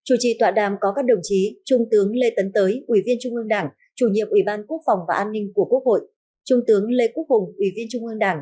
ủy viên trung ương đảng chủ nhiệm ủy ban quốc phòng và an ninh của quốc hội trung tướng lê quốc hùng ủy viên trung ương đảng